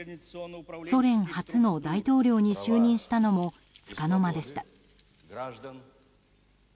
ソ連初の大統領に就任したのもつかの間でした。